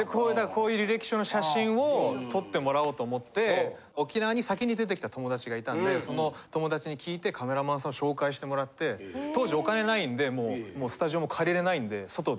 こういう履歴書の写真を撮ってもらおうと思って沖縄に先に出てきた友達がいたんでその友達に聞いてカメラマンさん紹介してもらって当時お金ないんでもうスタジオも借りれないんで外で。